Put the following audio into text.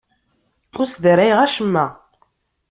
Ur sdarayeɣ acemma.